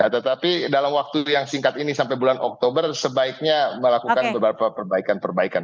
tetapi dalam waktu yang singkat ini sampai bulan oktober sebaiknya melakukan beberapa perbaikan perbaikan